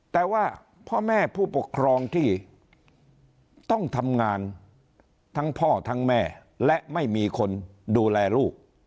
แต่ว่าพ่อแม่ผู้ปกครองที่ต้องทำงานทั้งพ่อทั้งแม่และไม่มีคนดูแลลูก